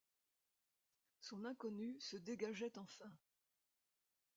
Son inconnue se dégageait enfin.